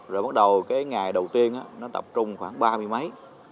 rồi bắt đầu cái ngày đầu tiên nó tập trung khoảng ba mươi mấy